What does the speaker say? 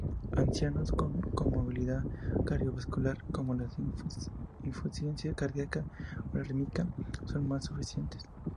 Ancianos con comorbilidad cardiovascular, como la insuficiencia cardiaca o la arritmia, son más susceptibles.